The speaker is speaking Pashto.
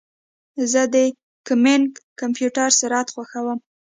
زه د ګیمنګ کمپیوټر سرعت خوښوم.